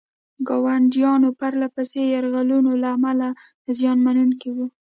ګاونډیانو پرله پسې یرغلونو له امله زیان منونکي وو.